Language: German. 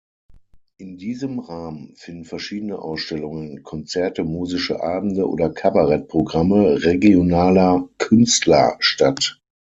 In diesem Rahmen finden verschiedene Ausstellungen, Konzerte, musische Abende oder Kabarettprogramme regionaler Künstler statt.